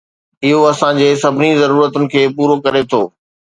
اهو اسان جي سڀني ضرورتن کي پورو ڪري ٿو